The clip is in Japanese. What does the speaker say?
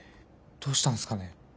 どうしたんすかね？